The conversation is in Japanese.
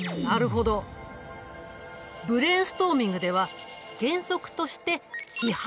ブレーンストーミングでは原則として批判はしない。